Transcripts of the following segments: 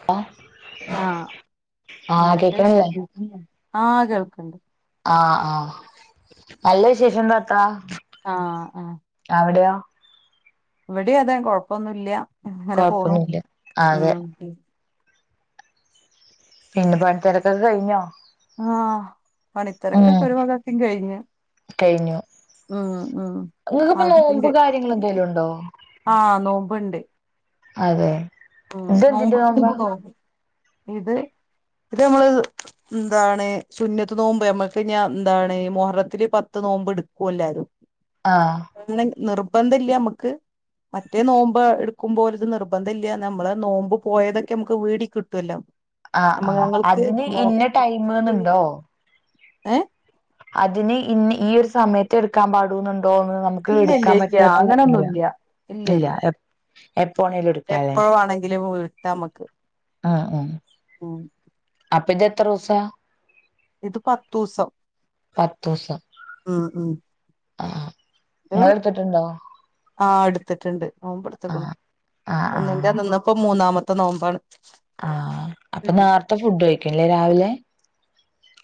[unintelligible] ആഹ് ആഹ് എന്തൊക്കെ കേക്കണില്ലേ വിശേഷ്‌- ആഹ് കേൾക്ക്ണ്ട്. ആഹ് ആഹ് നല്ല വിശേഷം താത്താ. ആഹ് ആഹ് അവിടെയൊ? ഇവിടേയും അതാ കൊഴപ്പൊന്നും ഇല്ല, ഇങ്ങനെ പോണു. കൊഴപ്പൊന്നുല്ല ഉം അതെ പിന്നെ പണി തിരക്കൊക്കെ കഴിഞ്ഞോ ആഹ് പണിത്തെരക്കൊരു വകത്തിന് കഴിഞ്ഞ് [unintelligible] ഉം ഉം നിങ്ങൾക്കിപ്പ അവിടത്തിം നോമ്പ് കെ കാര്യങ്ങൾ എന്തേലും ഉണ്ടോ ആഹ് നോമ്പ്ണ്ട് അതെ ആഹ് നോമ്പ് ഇതെന്തിന്റെ നോമ്പാ എടുത്ത്ക്കുണോ ഇത് ഇത് നമ്മള് എന്താണ് സുന്നത് നോമ്പ് നമ്മുക്ക് ഞ എന്താണ് മുഹറതില് പത്ത് നോമ്പ് ഇടക്കും എല്ലാരും ആഹ് അങ്ങനെ നിർബന്ധം ഇല്ല നമുക്ക് മറ്റേ നോമ്പ് എടുക്കുമ്പോലത് നിർബന്ധ ഇല്ല നമ്മള് നോമ്പ് പോയതൊക്കെ നമുക്ക് വീടി കിട്ടുവല്ലോ ആഹ് നമ്മ ആഹ് ഞങ്ങൾക്ക് അതിന് ഇന്ന ടൈമ് ന്നുണ്ടോ ഏഹ് അതിന് ഇന്ന ഈ ഒരു സമയത്ത് എടുക്കാൻ പാടു ന്നുണ്ടോന്ന് ഇല്ല ഇല്ല ഇല്ല അങ്ങനൊന്നുല്ല ഇല്ല ഇല്ല എപ്പ വേണേലും എടു എപ്പ വാണെങ്കിലും വീട്ട നമ്മക്ക് ആഹ് ആഹ് മ് അപ്പജ്ജ് എത്ര ദിവസ ഇത് പത്തൂസം പത്തൂസം ഉം ഉം ആഹ് നിങ്ങള് എടുത്തിട്ടുണ്ടോ ആഹ് എടുത്തിട്ടുണ്ട് നോമ്പ് എടുത്ത് ക്കുണ്‌ ആഹ് ആഹ് ഒന്നിന്റെ ആഹ് അന്ന് ഇപ്പൊ മൂന്നാമത്തെ നോമ്പാണ് ആഹ് അപ്പൊ നാർത്തെ ഫുഡ് കഴിക്കുല്ലേ രാവിലെ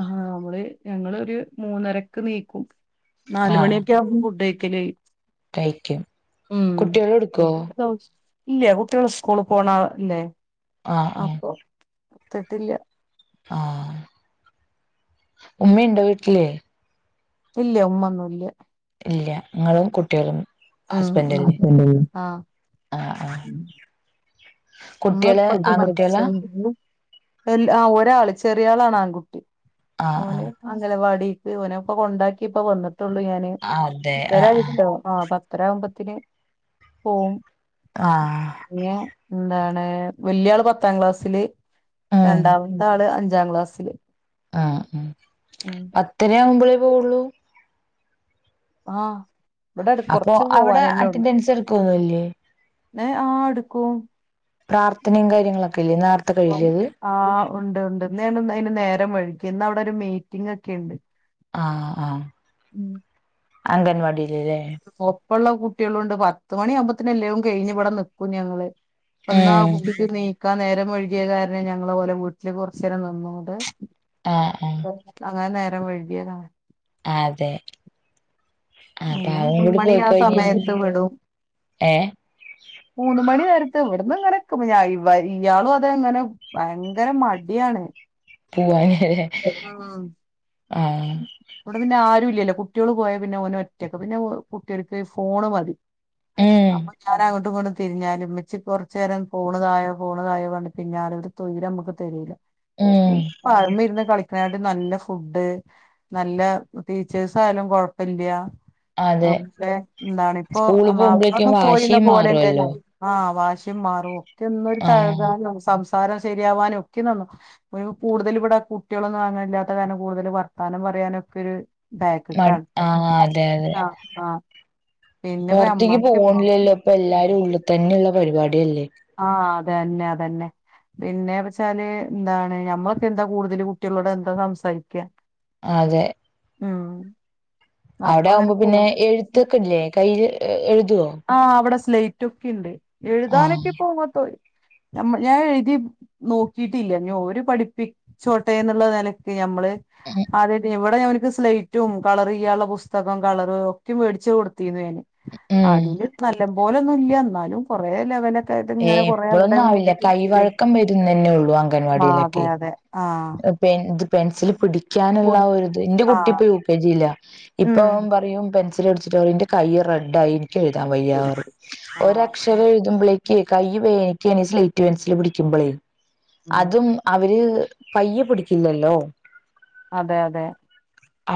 ആഹ് നമ്മള് ഞങ്ങളൊരു മൂന്നരക്ക് നീക്കും ആഹ് നാലുമണിയൊക്കെ ആവും ഫുഡ് കയ്ക്കല് കഴിയും കഴിക്കും ഉം കുട്ടികള് എടുക്കോ [unintelligible] ഇല്ല കുട്ടികള് സ്കൂള് പോണല്ലേ ആഹ് ആഹ് അപ്പൊ ഇട്ത്തിട്ടില്ല ആഹ് ഉമ്മിണ്ട വീട്ടില് ഇല്ല ഉമ്മന്നു ഇല്ല ഇല്ല ങ്ങളും കുട്ടികളും ഉം ഉം ഹസ്ബൻഡല്ലേ ഹസ്ബന്റ് ഒള്ളൂ ആഹ് ആഹ് ആഹ് മ്മ കുട്ടികള് പ്പക്കെ ആൺകുട്ടികളാ മരിച്ച്ണ്‌ എന്താ ആഹ് ഒരാള് ചെറിയ ആളാണ് ആൺകുട്ടി ആഹ് ഓന് ആഹ് അംഗലവാടിക്ക് ഓനെപ്പം കൊണ്ടാക്കി ഇപ്പ വന്നിട്ടുള്ളൂ ഞാന് അതെ ആഹ് [inaudible] ആഹ് പത്തരാവുമ്പത്തിന് പോവും ആഹ് പിന്നെ എന്താണ് വല്യാള് പത്താം ക്ലാസ്സില് ആഹ് രണ്ടാമത്തെ ആള് അഞ്ചാം ക്ലാസ്സില് ആഹ് ആഹ് ഉം പത്തരയാവുമ്പളെ പോവുള്ളു ആഹ് ഇവിടെ അടുത്ത് അപ്പൊ കുറച്ച് അവിടെ പോവാനന്നെ ഒള്ളു അറ്റൻഡൻസ് എടുക്കൊന്നുംല്ലേ ആഹ് എടുക്കും പ്രാർത്ഥനയും കാര്യങ്ങളൊക്കെ ഇല്യെ നേർ ആഹ് ഉണ്ട് ഉണ്ട് ഇന്ന് അയിന് നേരം വൈകി ഇന്ന് അവിടെ ഒരു മീറ്റിംഗ ഒക്കെ ഉണ്ട് ആഹ് ആഹ് അംഗൻവാടിയിലില്ലേ ഒപ്പള്ള കുട്ടികളും ഉണ്ട് പത്ത് മണി ആകുമ്പോത്തേന് എല്ലേവും കഴിഞ് ഇവിടെ നിൽക്കും ഞങ്ങള് അപ്പന്ന ഉം കുട്ടിക്ക് നീക്കാൻ നേരം വൈ കിയ കാരണം ഞങ്ങള് ഓലെ വീട്ടില് കുറച് നേരം നിന്നോണ്ട് ആഹ് ആഹ് അങ്ങനെ നേരം വഴ്കിയതാ അതെ ആ അപ്പ പിന്നെ അവും മൂന്ന് കൂടി മണി ആ പോയിക്കഴിഞ്ഞ കഴിഞ്ഞ സമയത്ത് വിടും ഏഹ് മൂന്ന് മണി നേരത്ത് ഇവിടന്ന് ഇങ്ങനെ ഇയാളും അതെ എങ്ങനെ ഭയങ്കര മടിയാണ് പൂവാങ്ങേ ആഹ് ഇവിടെ പിന്നെ ആരും ഇല്ലല്ലോ കുട്ടികൾ പോയാ പിന്നെ ഓന് ഒറ്റൊക്ക പിന്നെ കുട്ടിയൾക്ക് ഫോണ് മതി ഉം അപ്പൊ ഞാൻ അങ്ങോട്ടും ഇങ്ങൊട്ടും തിരിഞ്ഞാലും മ്മച്ച് കുറച്ച നേരം ഫോണ് തായോ ഫോണ് ണതായോ കണ്ട് പിന്നാല ഇവര് തൊയിരമ്മുക്ക് തരൂല്ല ഉം അയിമെര്ന്ന് കളിക്കായിട്ട് നല്ല ഫുഡ് നല്ല ടീച്ചേഴ്സ് ആയാലും കൊഴപ്പല്ല്യ അതെ അവ്ടെ എന്താണ് ഇപ്പോ സ്കൂളിൽ നമ്മ പോകുമ്പോഴേക്കും അവിടെന്നും വാശി പോയിന്ന ഓരന്നല്ലേ മാറുവല്ലോ ആഹ് വാശിം മാറു ഒന്നൊരു ആഹ് തഴകാനോ സം സംസാരം ശരിയാവാനും ഒക്കെന്നു കൂടുതല് ഇവടെ കുട്ടിയളൊന്നും അങ്ങന ഇല്ലാത്ത കാരം കൂടുതൽ വർത്താനം പറയാനൊക്കെ ഒര് മ ബാക്ക്കാണ് ആഹ് അതെ അതെ ആ ആഹ് പിന്നെപ്പ പുറത്തേക്ക് നമ്മക്കിപ്പോ പോണില്ലല്ലോ ഇപ്പൊ എല്ലാരും ഉള്ളി തന്നെള്ള പരിപാടി അല്ലേ ആഹ് അതെന്നെ അതെന്നെ പിന്നെ വെച്ചാല് എന്താണ് ഞമ്മളൊക്കെ എന്താ കൂടുതൽ കുട്ടിയളോട് എന്താ സംസാരിക്കാ അതെ ഉം അപ്പൊ അവടെ അങ്ങനെ ആവുമ്പോ പിന്നെ പോവും എഴുത്തൊക്കില്ലേ കയ്യിൽ എഴുതൊ ആഹ് ഇവടെ സ്ലൈറ്റൊക്കെ ഉണ്ട് ആഹ് എഴുതാനൊക്കെ പോങ്ങത്തോയി ഞാൻ എഴുതി നോക്കിയിട്ടില്ല ഇനി ഓരോ പഠിപ്പി ചോട്ടേന്നുള്ള നെലക്ക് ഞമ്മള് ആദ്യ എവിടെ ഞാനൊൻക്ക് സ്ലൈ റ്റും കളർയ്യാനുള്ള പുസ്തകം കളറ് ഒക്കെ വേടിച്ചു കൊടുത്തിരുന്നു ഞാന് ഉം അതില് നല്ലപോലൊന്നും ഇല്ല എന്നാലും കൊറേ ലെവല് ട്ട് ഏ ഇങ്ങനെ കൊറേ അവിടെ എപ്പോഴൊന്നും ആവില്ല [unintelligible] കൈവഴക്കം വരുന്നന്നെ ഉള്ളൂ ആഹ് അതെ അംഗൻവാടിയിലൊക്കെ അതെ ആഹ് ഇത് പെൻസിൽ പിടി ക്കാനുള്ള പൊടി ആ ഒരു ഇത് ഇന്റെ ആ കുട്ടി ഇപ്പൊ യൂ കെ ജിലാ ഇപ്പൊ ഉം പറയും പെൻ സില് പിടിച്ചിട്ട് പറയും ഇന്റെ കയ്യി റെഡായി എനി എഴുതാൻ വയ്യാ ആഹ് ഒരക്ഷ ഇത്ര എഴുതുമ്പളേക്കി കയ്യി വേയ്യിക്കാണ് ഈ സ്ലേറ്റ് പെൻസിൽ പിടിക്കുമ്പോളേ ഉം അതും അവര് പയ്യി പിടിക്കില്ലല്ലോ അതെ അതെ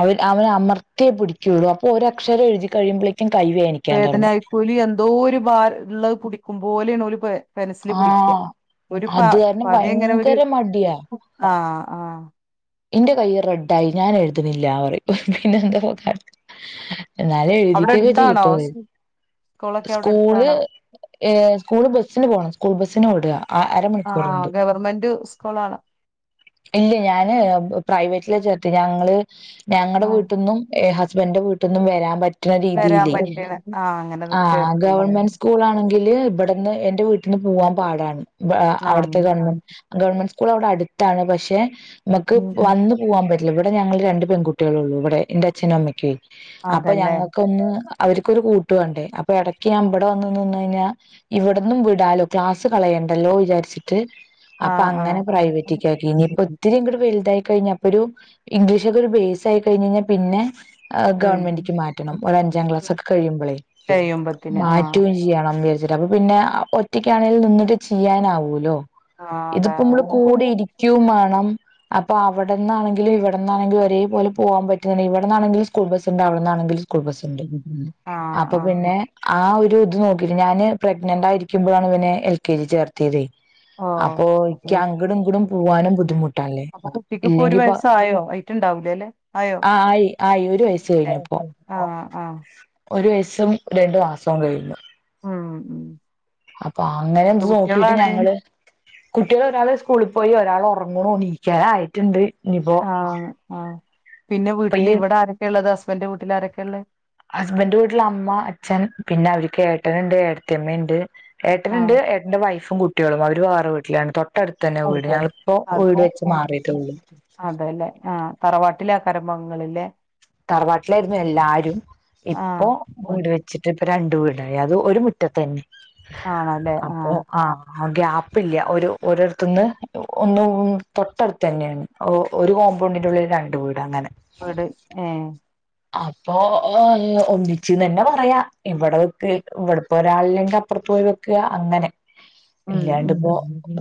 അവ അവനി അമർത്തിയേ പിടിക്കുകുള്ളു അപ്പൊ ഒരക്ഷരം എഴുതി കഴിയുമ്പോഴേക്കും കയിവേനിക് വേദനായിക്കൂലി എന്തോ ഒരു ഭാര ഉള്ളത് കുടിക്കും പോലെയണൊലി പ പെനസില് കുടിക്ക ആഹ് ഒരു പ അത് കാരണം പത എങ്ങനെ ഒരു ഭയങ്കര മടിയാ ആഹ് ആഹ് ഇന്റെ കൈയ്യും റെഡായി ഞാൻ എഴുതുന്നില്ല പറയു പിന്നെ എന്താപ്പകാ എന്നാലും അവിടെ എഴുതിക്കൊക്കെ അടുത്താണോ ചെയീട്ടോ സ്കൂളൊക്കെ അവിടെ സ്കൂള് അടുത്താണോ ഏഹ് സ്കൂൾ ബസ്സിന് പോണം സ്കൂൾ ബസിന് വിടാ ആഹ് ഗവൺമെന്റ് സ്കൂള് ആണ് ഇല്ല ഞാന് പ്രൈവറ്റിലാ ചേർത്തിയെ ഞങ്ങള് ഞങ്ങളുടെ ആഹ് വീട്ട്ന്നും ഹസ്ബൻഡന്റെ വീട്ടിൽന്നും വരാൻ പറ്റുന്ന രീതിൽ വരാൻ പറ്റണ ആഹ് അങ്ങനെ ആ ചേർത്തില്ല ഗവൺമെന്റ് സ് സ്കൂളാണെങ്കില് ഇവിടുന്ന് എന്റെ വീട്ടിൽന്ന് പൂവാൻ പാടാണ് ആഹ് അവിടുത്തെ ആഹ് ഗവൺമെന്റ് ഗവൺമെന്റ് സ്കൂൾ അവിടെ അടുത്താണ് പക്ഷെ നമ്മക്ക് വന്ന് പോവാൻ പറ്റില്ല ഇവിടെ ഞങ്ങള് രണ്ട് പെൺകുട്ടികളെ ഉള്ളു ഇവിടെ എന്റെ അച്ഛനും അമ്മയ്ക്കേ അപ്പൊ അതല്ലേ ഞങ്ങക്ക് ഒന്ന് അവർക്കൊരു കൂട്ട് വണ്ടേ അപ്പൊ ഇടയ്ക്ക് ഞൻ ഇവടെ ഒന്ന് നിന്ന് കയിഞ്ഞാൽ ഇവട്ന്നും വിടാലോ ക്ലാസ്സ് കളയണ്ടല്ലോ വിചാരിച്ചിട്ട് അപ്പൊ ആഹ് അങ്ങനെ ആഹ് പ്രൈവറ്റ് ഇനിയിപ്പൊ ഒത്തിരി കൂടെ വലുതായി കഴിഞ്ഞ അപ്പൊ ഒരു ഇംഗ്ലീഷൊക്കെ ഒരു ബേസ് ആയി കഴിഞ്ഞയിഞ്ഞാൽ പിന്നെ ഉം ഗവൺമെന്റിക്ക് മാറ്റണം ഒരു അഞ്ചാം കഴിയുമ്പോളേ കഴിയുമ്പത്തിന് ആഹ് മാറ്റുകയും ചെയ്യണംരിച്ചിട്ട് അപ്പൊ പിന്നെ ഒറ്റക്കാണെങ്കിൽ നിന്നിട്ട് ചെയ്യാനാവൂല്ലോ ആഹ് അതെ ഇതിപ്പോ അതെ നമ്മള് കൂടെ ഇരിക്കയും വേണം അപ്പൊ അവിടന്നാണെിലും ഇവിടെന്നാണെിലും ഒരേ പോല പോവാൻ പറ്റുന്നില്ല ഇവിടന്നാെിലും സ്കൂൾ ബസ് ഉണ്ട് അവിടെന്നാണെങ്കിലും സ്കൂൾ ബസ് ഉണ്ട് ആഹ് അപ്പൊ ആഹ് പിന്നെ ആഹ്‌ ഒരു ഇത് നോക്കി് ഞാന് പ്രെഗ്നന്റായിരിക്കുന്പോ ഇവനെ എൽ കെ ജി ചേർത്തത് ഓഹ് അപ്പൊ ഇക്ക അങ്ങാടും ഇങ്ങടും പോവാനും ബുദ്ധിമുട്ടല്ലേ അപ്പൊ കുട്ടിക്ക് ഇപ്പൊ ഒരു ഇല്ലെങ്കിപ്പ വയസ്സായോ ആയിട്ടുണ്ടാവൂലല്ലേ ആയോ ആഹ് ആയി ആഹ്‌ ഒരു വയസ് കഴിഞ്ഞപ്പോ ആഹ് ആഹ് ഒരു വയസും രണ്ടു മാസവും കഴിഞ്ഞു ഉം ഉം അപ്പൊ അങ്ങനെ എന്ത് നോക്കിട്ട് ഞങ്ങള് കുട്ടികൾ ഒരാള് സ്കൂളിൽ പോയി ഒരാൾ ഉറങ്ങണ നീക്കാനെ ആയിട്ടുണ്ട് ആഹ് ആഹ് പിന്നെ ഇപ്പൊ വീട്ടിൽ ഈ ഇവിടെ ആരൊക്കെ ഉള്ളത് ഹസ്ബൻന്റെ വീട്ടിൽ ആരൊക്കെയ ഉള്ളത് ഹസ്ബൻന്റെ വീട്ടില അമ്മ അച്ഛൻ പിന്നെ അവർക്ക് ഏട്ടനുണ്ട് ഏട്ടത്തിയമ്മയുണ്ട് ഏട്ടനുണ്ട് ആഹ് എന്റെ വൈഫും കുട്ടികളും അവര് വേറെ വീട്ടിലാണ് തൊട്ടടുത്ത് തന്നെ വീട് ഞങ്ങളി പ്പോ അത് വീട് വെച്ച് മാറിയിട്ടേള്ളു അതെല്ലേ ആഹ്‌ തറവാട്ടിലെ കരമ്പങ്ങളില്ലേ തറവാട്ടിലായിരുന്നു എല്ലാരും ഇപ്പൊ ആഹ് വീട് വെ വച്ചിട്ട ഇപ്പ രണ്ട് വീടായി അത് ഒരു മുറ്റ തന്നെ ആണല്ലേ അപ്പൊ ആഹ് ആ ആഹ്‌ ഗ്യാപ്പ് ഇല്ല ഒരു ഒരിടത്തന്ന് ഒന്നും തൊട്ടടുത്ത് തന്നെയാണ് ഓ ഒരു കോമ്പൗണ്ടിന്റെ ഉള്ളല് രണ്ടു വീട് അങ്ങനെ വീട് ഏ അപ്പൊ ഒന്നിച്ച് തന്നെ പറയാ ഇവിടെക്ക് ഇവിടെ ഇപ്പ ഒരാളില്ലെങ്കിൽ അപ്പുറത്ത് പോയി വെക്കുക അങ്ങനെ ഉം ഇല്ലാണ്ട് ഉം ഇപ്പോ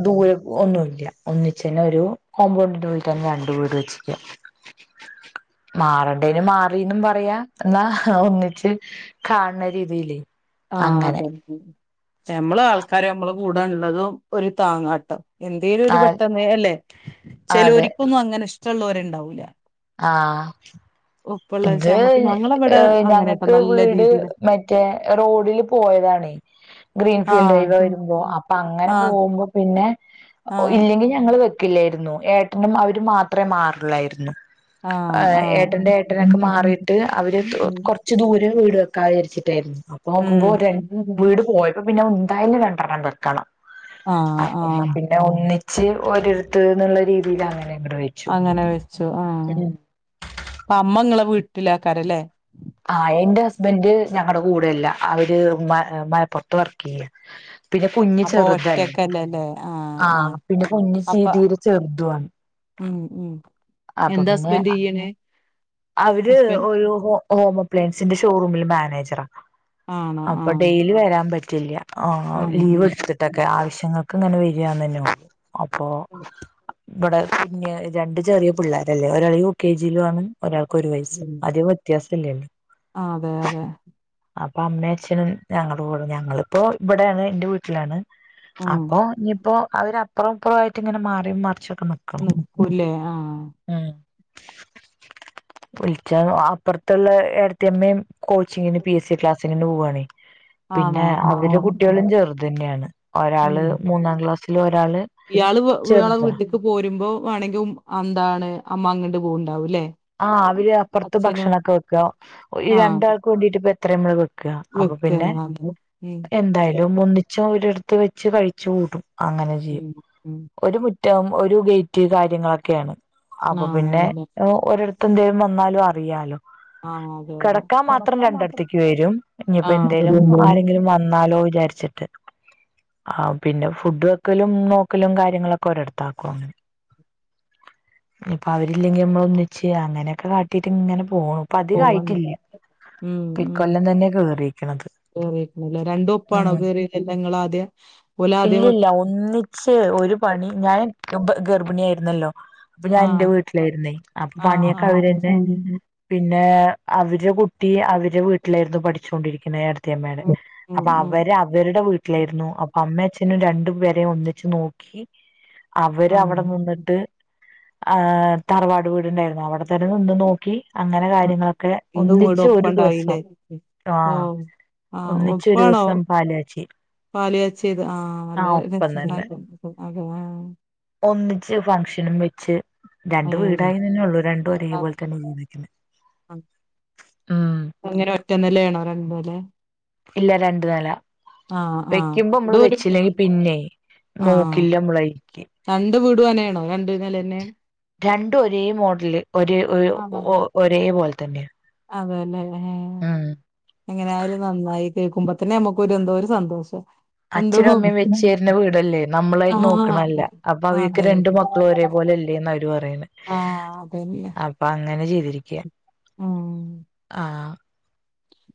ദൂര ഒന്നുല്ല ഒന്നിചന്നെ ഒരു കോമ്പൗണ്ടിന്റെ ഉള്ളിൽ തന്നെ രണ്ട് വീട് വെച്ചക്ക മാറണ്ടേന് മാറ പറയാ എന്നാ ഒന്നിച്ച് കാണണ രീതിൽ ആഹ് അതന്നെ മ്മള് ആൾക്കാര് നമ്മള് കൂടാനള്ളതും ഒരു താങ്ങാട്ടം എന്തേലും ഒരു ആ പെട്ടെന്ന് അല്ലെ ചില അതെ ഒരിക്കൊന്നും അങ്ങനെ ഇഷ്ടമുള്ളവരുണ്ടാവൂല ആഹ്‌ ഉം ഇത് ഞങ്ങൾക്ക് നല്ല വീട് രീതിയില് മ മറ്റേ റോഡില് പോയതാണ് ആഹ് ഗ്രീൻഫീൽഡ്വ വരുമ്പോ അപ്പൊ അങ്ങനെ ആഹ് പോകുമ്പോ പിന്നെ ആഹ് ഇല്ലെങ്കിൽ ഞങ്ങൾവേ ല്ലരുന്നു ഏട്ടനും അവര് മാത്രമേ മാറില്ലായിരുന്നു ആഹ് ഏട്ട ആഹ് ഏട്ടന മാറിയിട്ട് അവര് ഉം കൊറച്ച ദൂരം വീട് വെക്കാ വിചരിച്ചിട്ടായിരുന്നു നോക്കുമ്പോൾ വീട് പോയി പിന്നെ എന്തായാലും രണ്ടണ്ണം വെക്കണം അ ആഹ് ആഹ് പിന്ന ഒന്നിച്ച് ഒരിരുത്ത എന്നുള്ള രീതിയിൽ അങ്ങനെ ഇവിടെ അങ്ങനെ വെച്ചു ആഹ്‌ അപ്പ അമ്മങ്ങളെ വീട്ടില ആക്കാരല്ലേ ആഹ്‌ എന്റെ ഹസ്ബൻ്റ് ഞങ്ങളടെ കൂടെയല്ല അവര് മ മലപ്പുറത്ത് വർക്ക് ചെയ്യാ പിന്നെ കുഞ്ഞ് അപ്പൊ ചെറുതല്ലേ ഒറ്റക്കല്ലല്ലേ ആ ആ ആഹ്‌ പിന്നെ കുഞ്ഞ് അപ്പ തീരെ ചെറുതാണ്. ഉം ഉം എന്താ പിന്നെ ഹസ്ബന്റ് ചെയ്യണേ അവര് ഹസ്ബൻഡ് ഒരു ഹോം അപ്ലയൻസിന്റെ ഷോറൂമില് മാനേജറ ആ അപ്പൊ ഡെയിലി വരാൻ പറ്റില്ല ആഹ്‌ ആ ലീവ് ഉം എടുത്തിട്ട് ആവശ്യങ്ങൾക്ക് ഇങ്ങനെ വരികന്ന് തന്നെ ഉള്ളൂ അപ്പൊ ഇവിടെ പിന്നെ രണ്ട് ചെറിയ പിള്ളോരല്ലേ ഒരാള് യൂ കെ ജി ലും ആണ് ഒരാൾക്ക് ഒരു വയസ്സ് അധികം വ്യത്യാസം ഇല്ലല്ലോ ആഹ്‌ അതെ അതെ അപ്പൊ അമ്മയും അച്ഛനും ഞങ്ങളുടെ കൂടെ ഞങ്ങളിപ്പോ ഇവിടെയാണ് എന്റെ വീട്ടിലാണ് ഉം അപ്പൊ ഇനിയിപ്പോ അവര് അപ്പുറം അപ്പുറം ആയിട്ട് ഇങ്ങനെ മാറിയും മറിച്ച്ക്കണം നിക്കൂല്ലേ ആഹ ഏഹ് വിളിച്ചാ അപ്പുറത്തുള്ള ഏടത്തി അമ്മേം കോച്ചിങ്ങിന് പി എസ് സി ക്ലാസ്സിന്ന് പോവാണേ ആണോ പിന്നെ ആ അവര് ഉം കുട്ട്യാളും ചെറുത് തന്നെയാണ് ഒരാള് മൂന്നാം ക്ലാസ്സില് ഒരാള് ഇയാള് ഇയാളെ ചെറുതാ വീട്ടക്ക് പോരുമ്പോ വേണമെങ്കിൽ എന്താണ് അമ്മ അങ്ങട്ട് പോകുണ്ടാകും ലേ ആഹ് അവര് അപ്പുറത്ത് ഭക്ഷണൊക്കെ വെക്ക ഈ ആ രണ്ടാൾക്ക് വേണ്ടീട്ട് ഇപ്പ എത്രയും മള് വെ ക്ക്ഹ അപ്പൊ പിന്നെ വെക്കാണ് ഉം എന്തായാലും ഒന്നിച്ച ഒരിടത്ത് വെച്ച് കഴിച്ചു കൂടും ഉം ഉം ഒരു മുറ്റവും ഒരു ഗേറ്റ് കാര്യങ്ങളൊക്കെയാണ് അപ്പൊ പിന്നെ ആണല്ലേ ഒരിടത്ത പ്പന്തേലും വന്നാലും അറിയാലോ ആഹ് അതെ അതെ കിടക്കാൻ മാത്രം തൊടക്കാൻ രണ്ടിടത്തേക്ക് വരും ഇനിയിപ്പോ എന്തേലും ആഹ് ആരെങ്കിലും വന്നാലോ വിചാരിച്ചിട്ട് ആഹ് പിന്നെ ഫുഡ് വെക്കലും നോക്കലും കാര്യങ്ങളൊക്കെ ഒരിടത്ത ആക്കോ ഇപ്പൊ അവരില്ലെങ്കി നമ്മള ഒന്നിച്ച് അങ്ങനെയൊക്കെ കാട്ടിട്ട് ഇങ്ങനെ പോവുനു ഇപ്പൊ പോവണ്ട് അതികായിട്ടില്ല ഇക്കൊല്ലം തന്നെ കേറികണ് കേറിക്ക്ണല്ലേ രണ്ടു ഒപ്പാണോ കേറിയ അല്ലേ നിങ്ങൾ ആദ്യം ഓൽ ആദ്യം ശേ ഒരു പണി ഞാൻ മുമ്പ് ഗർഭിണി ആയിരുന്നല്ലോ അപ്പൊ ഞാൻ ഇന്റെ ആഹ് വീട്ടിലായിരുന്നേ അപ്പൊ ആഹ് പണിയൊക്കെ ആഹ് അവര്ന്നെ പിന്നെ അവരെ കുട്ടി അവരെ വീട്ടിലായിരുന്നു പഠിച്ചോണ്ടിരിക്കുന്നേട് യമ്മേയുടെ ഉം ഉം അപ്പൊ ഉം അവര് അവരുടെ വീട്ടിലായിരുന്നു അമ്മ അച്ഛനും രണ്ടു പേരെയും ഒന്നിച്ച് നോക്കി അവര ആഹ് അവിടെ നിന്നിട്ട് ആഹ് തറവാട് വീട്ണ്ടായിരുന്നു അവിടെ തന്ന നിന്ന് നോക്കി അങ്ങനെ കാര്യങ്ങളൊക്കെ രണ്ടും വീടും ഒന്നിച്ച് ഒരു ദിവസം ഒപ്പണ്ടായില്ലേ ആഹ് ഓഹ് ആഹ് ഒന്നിച്ച് ഒരു ഒപ്പാണോ ദിവസം പാൽ കാച്ചി പാല് കാച്ചിയത് ആഹ് നല്ല രസ തന്നെ ഒന്നിച്ച് ഫംഗ്ഷനും വെച്ച് രണ്ട് ഏഹ് വീടായി തന്നെ ഉള്ളൂ രണ്ടും ഒരേ പോലത്തെ [unintelligible] എങ്ങനെ ഒറ്റ നില എണോ രണ്ട് നിലേ ഇല്ല രണ്ടു നില ആഹ് ആഹ് വെക്കുമ്പോ നമ്മള് രണ്ടും ഒരു വെച്ചില്ലെങ്കി പിന്നെ ആഹ് നോക്കില്ല നമ്മളയ്ക്ക് രണ്ട് വീടും അങ്ങനെ ആണോ രണ്ടുനില ലെന്നെ രണ്ടും ഒരേ മോഡല് ഒരേ ഒരു ഒ ഒരേ പോലെ തന്നെയാ അതേല്ലേ ഹേം ഉം എങ്ങനൊയാലും നന്നായി കേൾക്കുമ്പോ തന്നെ നമ്മുക്ക് എന്തോ ഒരു സന്തോഷം എന്തോ അച്ഛനും അമ്മയും വെച്ചു തര്ന്ന വീടല്ലേ നമ്മളായി നോക്കണല്ല ആഹ് അപ്പൊ അവക്ക് അതെ രണ്ടു മക്ക ഒരേ പോലെ ഇല്ലേന്ന് അവര് പറയ്ന്നെ ആഹ് അതന്നെ ആ അപ്പങ്ങനെ ചെയ്തിരിക്ക്യ ഉം ആ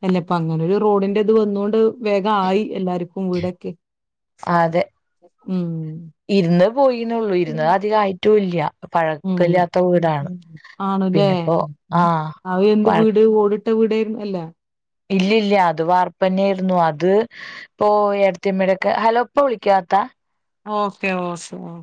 അല്ലെപ്പങ്ങനെ ഒരു റോഡിന്റത് വന്നോണ്ട് വേഗ ആയി എല്ലാരും വീടൊക്കെ അതെ മ് ഇരുന്ന് പോയിന്നെള്ളു ഇരുന്ന് അധികം ആയിട്ടുംല്ല്യ മ് ആണ് ലെ പിന്നെപ്പോ ആഹ് അവ എന്ത് വഴ വീട് ഓട് ട്ട വീട് അല്ല ഇല്ല ഇല്ല അത് വാർപ്പന്നെയിരുന്നു അത് ഓഹ് ഏടത്തിമ്മടക്ക ഹലോ ഇപ്പ വിളിക്കാത്താ ഓക്കെ ഓ സ്‌ ഓ